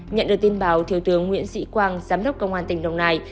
nhận được tin báo thiếu tướng nguyễn sĩ quang giám đốc công an tỉnh đồng nai